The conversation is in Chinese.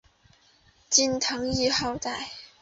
金汤谥号戴。